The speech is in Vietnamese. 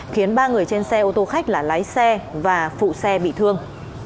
khiến ba người trên xe ô tô khách là lái xe và phụ xe bị thương